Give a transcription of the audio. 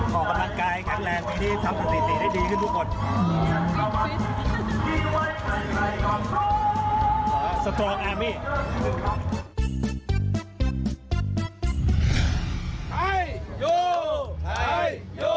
ออกกำลังกายแข็งแรงปีนี้ทำสถิติได้ดีขึ้นทุกคน